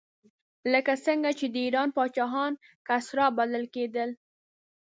لکه څنګه چې د ایران پاچاهان کسرا بلل کېدل.